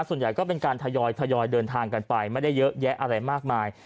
ส่วนใหญ่ก็เป็นการทยอยเดินทางกันไปไม่ได้เยอะแยะอะไรมากมาย